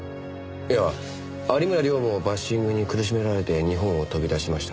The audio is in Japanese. いや有村亮もバッシングに苦しめられて日本を飛び出しました。